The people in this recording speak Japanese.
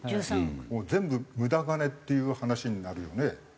もう全部無駄金っていう話になるよね。